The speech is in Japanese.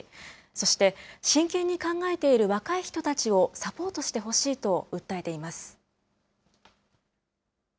そして、真剣に考えている若い人たちをサポートしてほしいと訴えています。